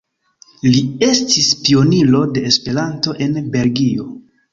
Li estis pioniro de Esperanto en Belgio.